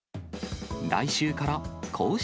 来週から公式